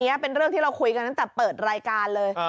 เป็นเรื่องที่เราคุยกันตั้งแต่เปิดรายการเลย